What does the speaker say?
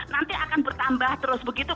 nanti akan bertambah terus begitu